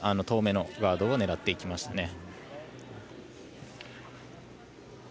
遠めのガードを狙ってきました。